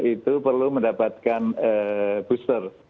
itu perlu mendapatkan booster